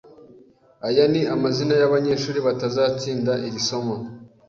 Aya ni amazina yabanyeshuri batazatsinda iri somo